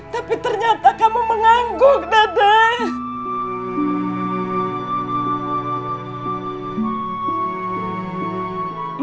tapi ternyata kamu mengangguk dada